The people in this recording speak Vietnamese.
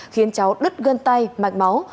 khiến cháu đứt gân tay mạch máu